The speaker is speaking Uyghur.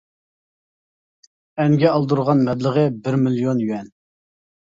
ئەنگە ئالدۇرغان مەبلىغى بىر مىليون يۈەن.